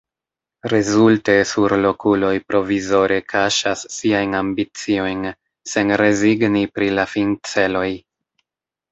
Rezulte surlokuloj provizore kaŝas siajn ambiciojn, sen rezigni pri la finceloj.